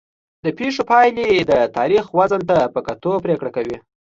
د پېښو پایلې د تاریخ وزن ته په کتو پرېکړه کوي.